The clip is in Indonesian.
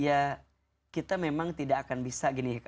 ya kita memang tidak akan bisa gini